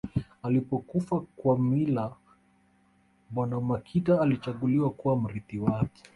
Alipokufa Kawamila bwana Makita alichaguliwa kuwa mrithi wake